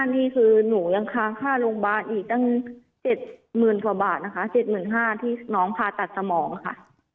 นี่คือหนูยังค้างค่าโรงพยาบาลอีกตั้ง๗๐๐๐กว่าบาทนะคะ๗๕๐๐บาทที่น้องผ่าตัดสมองค่ะ